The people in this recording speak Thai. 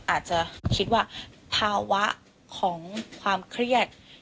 อาจจะคิดว่าภาวะของความเครียด